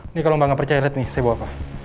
ini kalau mbak gak percaya lihat nih saya bawa pak